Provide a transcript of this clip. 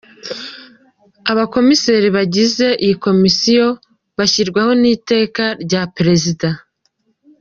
Abakomiseri bagize iyi Komisiyo bashyirwaho n’Iteka rya Perezida.